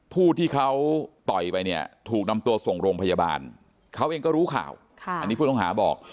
ผู้ที่เขาต่อยไปเนี่ยถูกนำตัวส่งโรงพยาบาลเขาเองก็รู้ข่าวอันนี้ผู้ต้องหาบอก